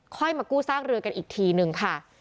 มากู้ซากเรือกันอีกทีนึงค่ะ